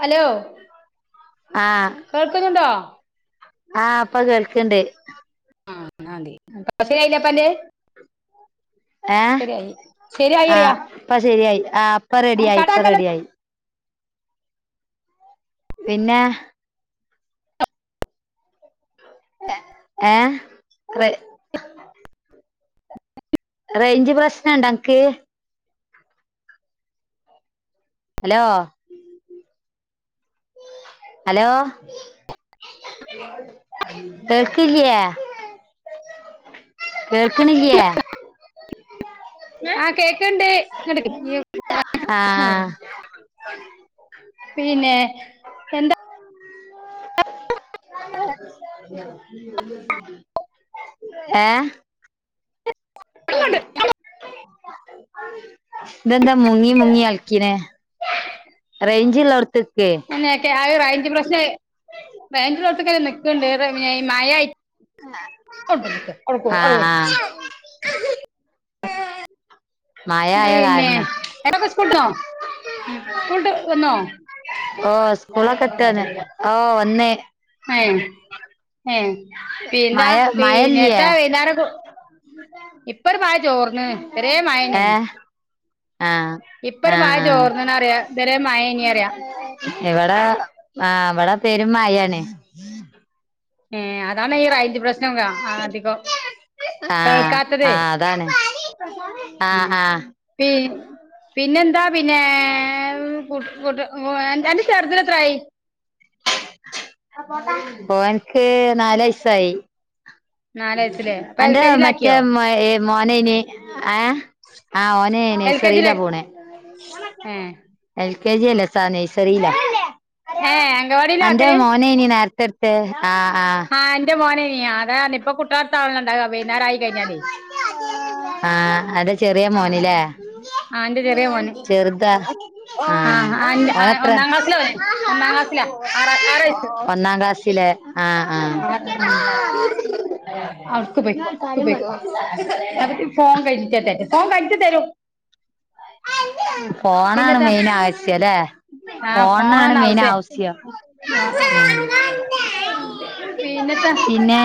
Hello കേൾക്കുന്നുണ്ടോ? ആഹ്‌ ഇപ്പ കേൾക്ണ്ട് ആഹ് ന്നാ മതി. ഇപ്പ ശെരിയായില്ലേ പ്പന്റെ ഏഹ്‌ ശരിയായി അറിയാ ആഹ്‌ ഇപ്പ ശേരിയായി. ആഹ്‌ ഇപ്പ റെഡിയായി ഇപ്പ കട്ടാക്കല്ല റെഡിയായി. പിന്നെ എഹ് ഏഹ് റേ റേയിഞ്ച് പ്രശ്നണ്ട അൻക്ക്. ഹലോ ഹലോ കേൾക്ക്ല്യേ കേൾക്ക്‌ണില്ല്യെ ആഹ്‌ കേക്ണ്ട് ഇങ്ങട്ക് പ്രശ്നം ആഹ് വെരും പിന്നെ എന്താ ഏഹ്‌ [unintelligible] ഇതെന്താ മുങ്ങി മുങ്ങി കൾകിനെ? റെയിഞ്ച്ള്ളോട്ത്ത് ക്ക്. അന്നെയൊക്കെ ആഹ് റെയിഞ്ച്പ്രശ്‌നെ റെയിഞ്ച്ള്ളോട്ത്കെ നിക്ക്ണ്ട്. മ്മ് മഴ ആഹ്‌ [unintelligible] മഴ ആയ പിന്നെ കാരണാ [unintelligible] സ്കൂൾട്ട് വന്നോ? ഓഹ് സ്കൂളൊക്കെ വിട്ടന്ന് ഓഹ് വന്ന് ഏഹ് ഏഹ് പി എന്താ പിന്നത്ത വേുന്നോര എന്ത ഇപ്പൊ ഒരു മായ ചോർന്ന് ഇതരേ മായന ഏഹ് ആഹ് ഇപ്പൊ ഒരു ആഹ് മയ ആഹ് ചോർന്ന്ണ്റിയ ഇവരെ മായ നി റിയാം ഇവിടെ ആ അ വിടെ പേരും മായണ്. ഏ ഹ് അതാണ് ഈ ഒരു റയ്ഞ്ച് പ്രശ്നം അധികം. ആഹ് കേൾക്കാത്തതേ ആഹ് അതാണ് ആഹ് ആഹ് പി പിന്നെെന്താ പിന്നെ [unintelligible] ഓ ന്റെ ചെർതിട്ന് എത്രായി? ഒന്ക്ക് നാല വയസായി. നാല് വയസ്സില് അപ്പൊ എൽ അന്റെ കെ മറ്റേ ജിലാക്കിയോ മോനനി ഏഹ് ആഹ് ഓനെനെ എൽ കെ ജില നയ്സറിയിലാ പോണെ. ഏ എൽ കെ ജി അല്ലേ സാ നഴ്സറിയിലാ ഏ അംഗവാടിയിലാ അന്റെ ആക്കല് മോനെ നി നേരത്തെടു ആഹ് ആഹ് ആ ന്റെ മോനെനിയ അതാ ഇപ്പൊ കുട്ടാലടതല്ണ ണ്ടാവാ വെയ്ന്നര ആ യി കഴിഞ്ഞാലേ ആഹ് അത ചെറിയ മോനിലേ. ആഹ് ന്റെ ചെറിയ മോന്. ആഹ് ആ ഓനെത്ര ഒന്നാം ക്ലാസ്സില പോ ഒന്നാം ക്ലാസ്സിലാ ആ ആറ വയസ് ഒന്നാം ക്ലാസിലെ. ആഹ് ആഹ് ആ അർക്ക ബു അർക്ക ബു [unintelligible] ഫോൺ കഴിച്ചിട്ട തട്ട ഫോൺ കഴിച്ച തരും. ആ ഫോണാണ് പിന്നെതാ മെയിൻ ആവശ്യം അല്ലേ ആഹ് ഫോണ ഫോണിനാണ് മെയിൻ ണ്ടവിസ്യ ആവശ്യം ഉം പിന്നെട്ത്താ പിന്നെ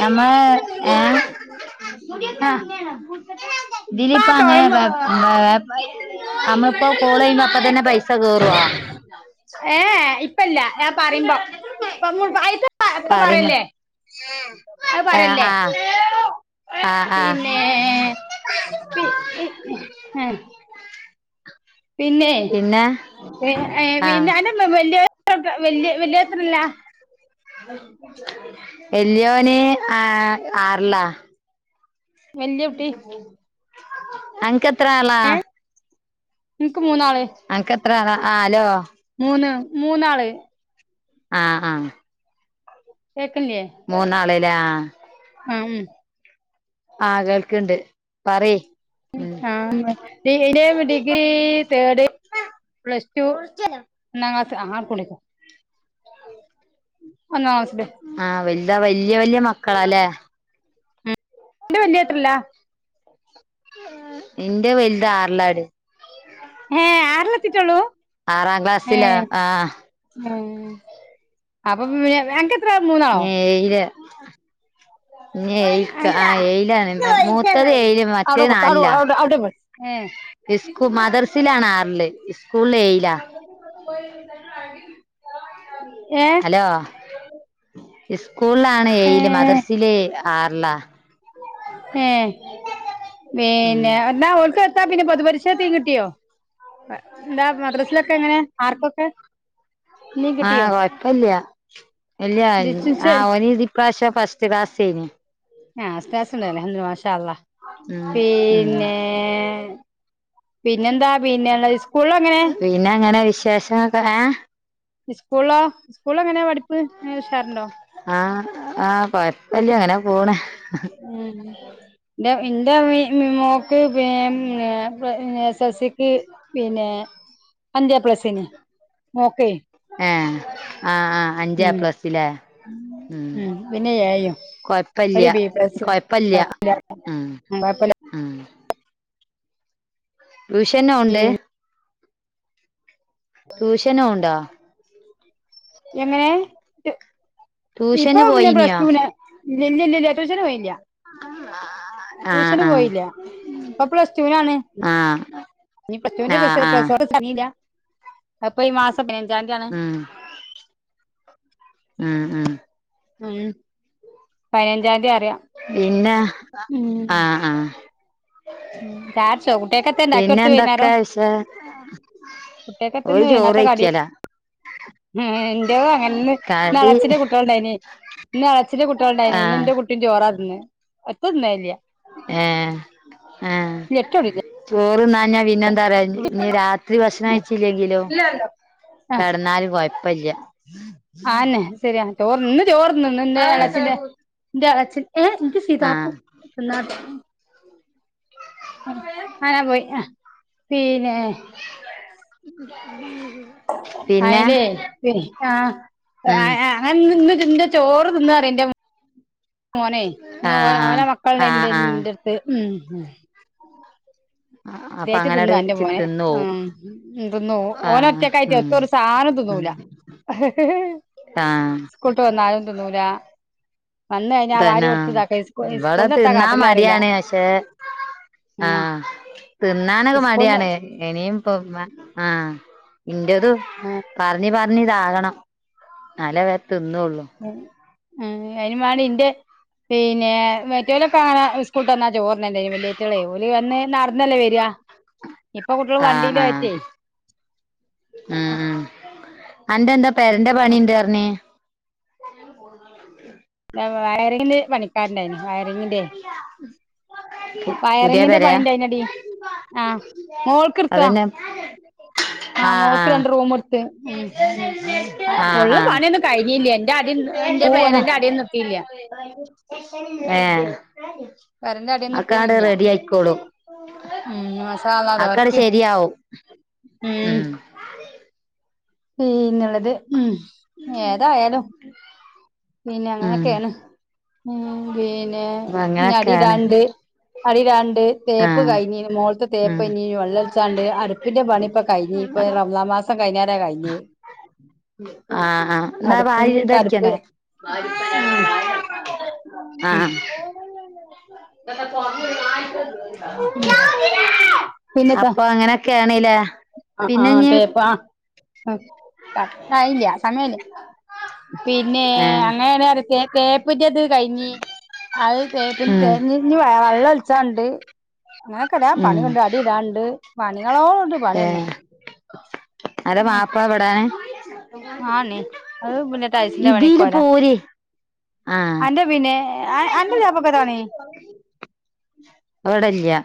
ഞമ്മള് ഏഹ് [unintelligible] ബാ ദിലിപ തോന്നുമ്പോ അങ്ങനെ നമ്മളിപ്പോ കോൾ കഴുമ്പോ അപ്പ തന്നെ പൈസ കേറുവോ? ഏഹ് ഇപ്പല്ല പറയുമ്പോ [unintelligible] എപ്പ കറിമ പറയല്ലേ അത് ആഹ് പറയല്ലേ. ആഹ് ആഹ് പിന്നെ ആഹ് പിന്നെ പിന്നെ ഏ ആഹ് പിന്ന വലിയ വിയ വലയൊളത്രല്ല. വെല്യോന് ആ ആറിലാ വലിയ കുട്ടി അനകെത്രാളാ എനിക്ക് മൂന്നാള് അനക്ക് എത്ര ആളാ ഹലോ. മൂന്ന് മൂന്നാള്. ആഹ് ആഹ് കേക്കണല്ല്യ. മൂന്നാളല്ലേ ആഹ് ഉം ആ കേൾക്ണ്ട് പറി ഉം ആന്ന് [unintelligible] ഡിഗ്രി തേർഡ്. പ്ലസ് ടു ആർ കുളിക്ക [unintelligible] ആഹ് വൽത വല്യ വല്യ മക്കളാല്ലേ? ഇന്റെ വല്യഹ് എട്ട്ല്ലാ. ഇന്റെ വൽത് ആറിലാടി. ഏഹ് ആറ്ലെത്തീറ്റൊള്ളു. ആറാം ക്ലാസ്സിലാ. ആഹ് ഏഹ് അപ്പം എ അൻക്കെ ഇഞ്ഞേയിലാ. ഇഞ്ഞേഴ്ക്ക ആഹ് ഏയിലാണ് മൂത്തത് ഏയില് അവിടെ മറ്റത് കൊടുക്ക നാലിലാ. അവിടെ അവിടെ പോയി ഏ ഇസ്കു മദർസിലാണാറില് ഇസ്കൂളില് ഏയിലാ. ഏഹ് ഇസ്കൂൾലാണ് ഏ ഏയില് മദർസില് ആറ്ലാ. ഏഹ് ഉം പിന്നെ എന്നാ ഓൽക്ക് എത്താ പിന്നെ പൊതുപരിഷെക്കെത്തീം കിട്ട്യോ? അ ന്താ മദ്രസിലൊക്കെ എങ്ങനെ മാർക്കൊക്കെ? ആഹ് കൊയപ്പല്ല്യ ഇല്ല ആ ഡിസ്റ്റൻസ് ഓന് ഇതി പ്രാവശ്യം ഫസ്റ്റ് ക്ലാസേനി. ആഹ് ഫസ്റ്റ് ക്ലാസുണ്ടല്ലേ അൽഹംദു മാഷാ അള്ളാഹ് ഉം ഉം പീന്നേ പിന്നെന്താ പിന്നെ അല്ല സ്കൂൾലെങ്ങനെ? പിന്നെ അങ്ങനെ വിശേഷൊക്കെ ഏഹ് ഇസ്കൂൾളോ സ്കൂളെങ്ങനെയാ പഠിപ്പ് ന് ഉഷാറുണ്ടോ? ആഹ് ആഹ് കൊയപ്പല്യ അങ്ങനെ പോണ്. ഉം ഇൻ്റെ ഇന്റെ മി മി മോക്ക് പീന്നെ എസ് ത്തസിക്ക് പിന്നെ അഞ്ച് എ പ്ലസ് ഏനി. മോക്കെ ഏഹ്. ആഹ് ആഹ് അഞ്ച് എ ഉം പ്ലസ്സ് ലേ ഉം ഏയും ഒരു കൊഴപ്പില്ല്യ ബീ പ്ലസ്സും കൊഴപ്പില്ല്യ കൊഴപ്പല്യ ഉം കൊഴപ്പല്യ ഉം ടൂഷ്യനോവ്ണ്ട്? ട്യൂഷ്യനോവ്ണ്ടോ? എങ്ങനെ ട്യൂഷന് ഇപ്പോം പിന്നെ പ്ലസ് പോയിനിയോ ടു ന്. ഇല്ല്യ ല്ല്യ ല്ല്യ ടൂഷ്യനോവേല്യ. ആഹ് ട്യൂഷന് പോയില്ല്യ ആഹ് ഇപ്പൊ പ്ലസ് ടൂനാണ്. ആഹ് ഇനി പ്ലസ്ടൂന്റെ റിസ ആഹ് പ്ലസ് ആഹ് റൺ റിസൾട്ട് അർഞ്ഞീല്ല അത്പ്പ ഈ മാസം പതിനഞ്ചാംതി ആണ്. ഉം ഉം ഉം ഉം പയിനഞ്ചാന്തി അറ്യാ. പിന്നെ ആഹ് ആഹ് ഉം ചാടിച്ചോ കുട്ടികക്കെത്തെ ഉണ്ടാക്കി കൊടുത്ത് പിന്നെന്തൊക്കെ വൈകുന്നേരം വിശേ ഓൽ കുട്ടികക്കെത്തന്ന് ചോറയ്ക്കലാ ഹേ ഇന്റെതും അങ്ങനെന്നെ. ഇന്ന് എളച്ചിന്റെ കുട്ട്യേള്ണ്ടായിനി ഇന്ന് എളച്ചിന്റെ കുട്ട്യേള്ണ്ടായിനി ഇന്ന് ആഹ് ഇന്റെ കു ട്ടിം ചോറാ തിന്നത് എത്തുന്നേല്ല്യാ ഏഹ് [unintelligible] ചോറ്ന്നാഞാ പിന്നെന്താറിയൊ നി ഇഞ്ഞ് രാത്രി ഭക്ഷണം കയിച്ചീല്ലെങ്കിലും ആഹ് കെട്ന്നാല് കൊയ്പ്പല്യ. ആന്നെ സര്യാ. ചോറ് ഇന്ന് ചോറ്ന്ന്ണ് ഇന്റെ ഉം എളച്ചിന്റെ ഇന്റെ എളച്ചി ഏഹ് എനിക്ക് സീതാപ്പൂ ആഹ് എന്നത്തെ ആനാ പോയി പിന്നെ പിന്നെ അയില്ലേ [unintelligible] ഉം ആഹ് ഞാൻ നിന്ന് നിന്റെ ചോറ് തിന്ന ഇന്റെ മോ മോനെ ന്ന് ഓ ആഹ് ഓലെ ആഹ് മക്കള്ണ്ടേനി ആഹ് ഇന്റെ അടുത്ത് ഉം ആഹ് അപ്പൊ അത്യായിട്ട് അങ്ങനട് തിന്ന എന്റെ ച് മോൻ തിന്നോവും ഉ തിന്നു ഓന ആഹ് ഒറ്റക്കായിട്ടെ ഉം ഒത്ത ഒരു സാധനം ഉം തിന്നൂല [inaudible] ആഹ് കൊട്ട് വന്നാലും തിന്നൂല വന്ന് കഴിഞ്ഞാ വാരി തന്നെ കൊടുത്ത് ഇതാക്ക ഇവിടെ സ്കൂളിന്ന് എത്താ തിന്നാൻ കാട്ടല് അറിയില്ല മടിയാണ് പക്ഷെ ഉം ആഹ് തിന്നാനൊക്കെ സ്കൂളിന്ന് മടിയാണ് ഇനിയും ഇപ്പൊ ആഹ് എന്റേതും ആ പറഞ്ഞ് പറഞ്ഞ് ഇതാകണം എന്നാലേ വ തിന്നള്ളു [unintelligible] ഇന്റെ പിന്നെ മേറ്റല കാണാ സ്കൂട്ട് വന്നാ ചോറിനല്ലേ വലിയറ്റോളലി വന്ന് നടന്നല്ലേ വരിയാ ആഹ് ആഹ് ഉം ഉം അന്റെ എന്താ പേരന്റെ പണിണ്ട് പറഞ്ഞ് [inaudible] വയറിങ്ങിന്റെ പണിക്കാരുന്ന് വയറിങ്ങിന്റെ പുതിയ വരാ അടി ആഹ് മോൾ കർത്താ അ [unintelligible] ആഹ് മോൾക്ക് രണ്ട് റൂം എടുത്ത് ഉം ഉം ആഹ് പൊള്ള് ആഹ് പണയൊന്നും കഴിഞ്ഞ എന്റെ അടി എന്റെ പൂവതാ പേരന്റെ അടയി നിർത്തിയില്ല ഏഹ് പേരന്റെ അടിയൊന്നും മക്കാടെ ഇട്ടില്ല റെഡി ആയികോളും ഉം മാഷാ അള്ളാ അക്കടെ അതോർക്ക് ശരിയാവും ഉം പിന്നുള്ളത് ഉം ഏതായാലും പിന്നെ ഉം അങ്ങനെയൊക്കെയാണ് ഉം പിന്നെ അപ്പൊ അങ്ങനൊക്കെയാണ് ഞടിടാണ്ട് അടിയിലാണ്ട് തേപ്പ് ആഹ് കഴിഞ്ഞീന് മോളത്ത് തേപ്പ് ഉം കഞ്ഞീ വെള്ളിച്ചാണ്ട് അടു ഇപ്പിന്റെ പണി ഇപ്പൊഴിഞ്ഞ ഇപ്പ റംസാൻ മാസം കഴിഞ്ഞാലേ ആഹ് ആഹ് എന്നാ അടുപ്പ് വായ ഇൻക്ക് അടുപ്പ് ഇതടിക്കണേ മാരിപ്പലള ഉം ഉം [unintelligible] അപ്പൊ അങ്ങനെ ക്ക ആണല്ലേ ആഹ് ആഹ് അതേപ്പ ആ ആയില്ല സമയമെടുക്കും പിന്നെ ആഹ് അങ്ങനണ തേപ്പിന്റെത് കഴിഞ്ഞി അത തേ പിന്നെ ഉം തേപ്പ് ഇ വെള്ളം ഒളിച്ചാണ്ട് അങ്ങനെയൊക്കെ ഇടയാ പണി ഉം കൊണ്ട് അടി ഇടാണ്ട് പണികളോട്ണ്ട് പണി തന്നെ അത മാപ്പ എവിടേ ആണീ അത് പിന്നെ ടൈൽസിന്റെ ഇതിയില് പണിക്കോല പോര് ആഹ് അന്റെ പിന്നെ അന്റെ വാപക്കതാണ പി [unintelligible] വിടല്ലയാ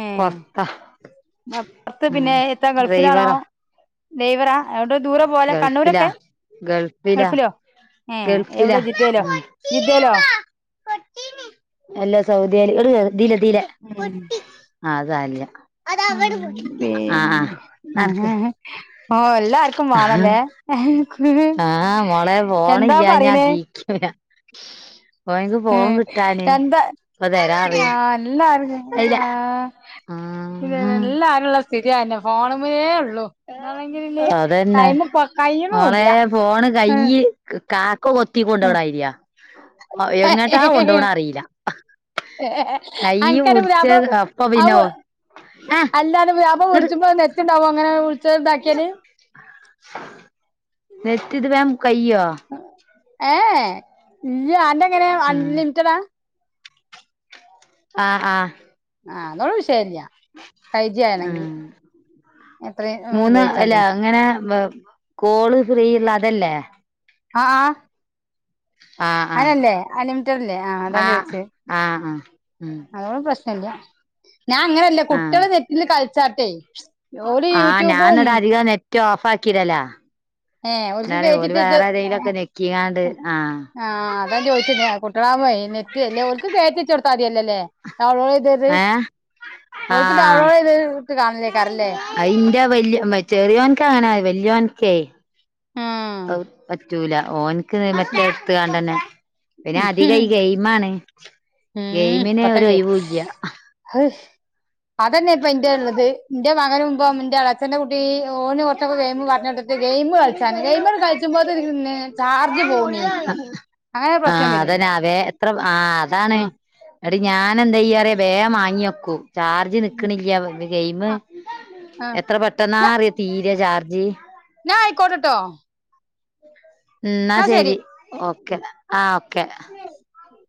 ഏ പുറത്താ പുറത്ത് ഉം ഡ്രൈവർ ഡ്രൈവറാ അടെ ദൂരെ പോലെ ഗൾഫിലാ കണ്ണൂരക്കെ ഗൾഫിലാ ഗൾഫിലോ ഗൾഫിലാ എവിടെ ജിദ്ദയിലോ ജിദ്ദേലോ ആഹ് അല്ലാ സൗദിയില് ഇങ്ങട്ട് കേറ് ഇതിലെ ഇതിലെ ഉം അത് സാരല്ല ഉം പിന്നെ നടക്ക് ഓഹ് എല്ലാർക്കും വേണല്ലേ ആഹ് എന്താ പറയുന്നേ ഒന്നുല്ല ഓന്ക്ക് ഫോൺ കിട്ടാനെയ് ആഹ് എഎല്ലാർക്കും ആഹ് പിന്നെ ആഹ് എല്ലാരുള്ള സ്ഥിതി അതെന്നെ ഫോണ് മ്മലെ ഉള്ളു [unintelligible] അതന്നെ ടൈമ് മോളെ കഴിയണൂല്ല ഫോണ് ആഹ് കയ്യ് കാക്ക കൊത്തി കൊണ്ട് പോണമാരിയാ എങ്ങോട്ടാ കൊണ്ട പോണ അറിയില്ല ഏഹ് കയ്യ് അനക്കന്റെ പിടിച്ച് പുതിയാപ്പിള അപ്പൊ പിന്നെ അത് ആഹ് അല്ലാ അന്റെ പുതിയാപ്പിള ഇങ്ങട് വിളിച്ച്മ്പൊ നെറ്റ്ണ്ടാവോ അങ്ങനെ വിളിച്ചത്ണ്ടാക്കിയല് നെറ്റിത് വേം കയ്യോ ഏഹ് ഏഹ് അന്റെ എങ്ങനെയ അൺ ആഹ് ലിമിറ്റഡാ ആഹ് ആഹ് ആഹ് അതോന്നും വിഷയില്ല ഫൈവ് ജി ഉം ആണെങ്കിൽ എത്രയും മൂന്ന് അല്ല ഉപയോഗിച്ചാലോ അങ്ങനെ വ് കോള് ഫ്രീ ഉള്ള അതല്ലേ അ ആഹ് ആഹ് ആഹ് അങ്ങനല്ലേ അൺലിമിറ്റഡ്ല്ലേ ആഹ് അതാ ചോദിച്ചെ ആഹ് ആഹ് ഉം അതോട് പ്രശ്നല്ല ഞാൻ അങ്ങനല്ല ആഹ് കുട്ടികള് നെറ്റില് കളിച്ചാട്ടേ ആഹ് ഞാനിട അധികം നെറ്റ് ഓഫ് ആക്കിടല ഏഹ് ഓൽക്ക് എന്നാല് ഓല് കേറ്റിട്ടത് വേറെതയിലൊക്കെ നെക്കിയാണ്ട് ആഹ് ആഹ് അതാ ഞാൻ ചോദിച്ചത് കുട്ടളാകൂമ്പോ നെറ്റ് ഇല്ലേ ഓൽക്ക് കേറ്റി വെച്ച് കൊടുത്താൽ മതിയല്ലല്ലേ ഡൗൺലോഡ് ചെയ്ത് ത് ഏഹ് ഓൽക്ക് ആഹ് ഡൗൺലോഡ് ചെയ്ത് ഇട്ട് കാണല് അയ്ക്കാരല്ലേ അയിന്റെ വല്യ ചെറിയോൻക്ക അങ്ങനെ വല്യോൻക്കേ ആഹ് പറ്റൂല ഓൻക്ക് മറ്റേ എടുത്ത് കാണ്ടന്നെ പിന്നെ അധികം ഈ ഗെയിം ആണ് ഗെയിമിന് ഒരു ഒഴിവുല്ല്യാ അഹ് അത് തന്നെ ഇപ്പ ന്റെ ഇള്ളത് ന്റെ മകനും ഇപ്പം ന്റെ എള ച്ഛ്ന്റെ കുട്ടി ഓന് കുറച്ചൊക്കെ ഗെയിമ് പറഞ്ഞടുത്തിട്ട് ഗെയിമ് കളിച്ചാണ് ഗെയിമ് കളിച്ച്മ്പൊ ത്തിനു ചാർജ് പോവുണ്ണി ആഹ് അതാ ഞാൻ വേ അത്ര ആഹ് അതാണ് ആഹ് എന്നിട്ട് ഞാൻ എന്താ ചെയ്യാറിയൊ വേഗം വാങ്ങി വെക്കും ചാർജ് നിക്കണില്ല ഗെയിമ് ആഹ് ആഹ് എത്ര പെട്ടെന്നാ ന്നാ അറിയോ തീര ചാർജ് ന്നാ ആയിക്കോട്ടട്ടോ ഉം എന്നാ ശരി ഓക്കെ ആഹ് ഓക്കേ [unintelligible]